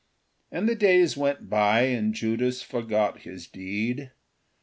And the years went by and Judas forgot his deed.